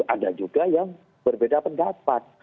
ada juga yang berbeda pendapat